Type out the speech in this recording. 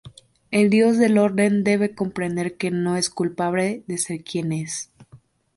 El dios del Orden debe comprender que no es culpable de ser quien es.